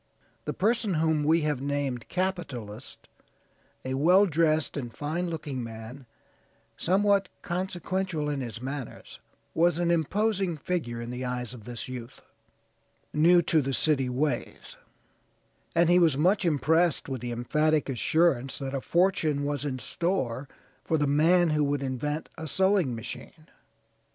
The person whom we have named capitalist, a well dressed and fine looking man, somewhat consequential in his manners, was an imposing figure in the eyes of this youth, new to city ways, and he was much impressed with the emphatic assurance that a fortune was in store for the man who would invent a sewing machine.